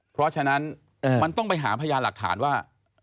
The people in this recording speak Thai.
เพราะฉะนั้นมันต้องไปหาพยานหลักฐานว่า